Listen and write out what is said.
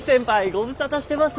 ご無沙汰してます！